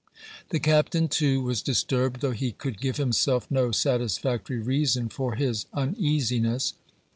The captain, too, was disturbed, though he could give himself no satisfactory reason for his uneasiness.